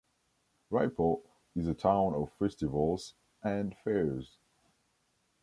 Ripoll is a town of festivals and fairs.